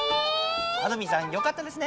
あどミンさんよかったですね。